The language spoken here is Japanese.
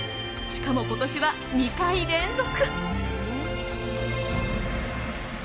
しかも今年は２回連続。